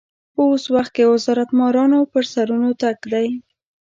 په اوس وخت کې وزارت مارانو پر سرونو تګ دی.